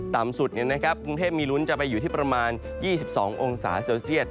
ต่ำสุดกรุงเทพมีลุ้นจะไปอยู่ที่ประมาณ๒๒องศาเซลเซียต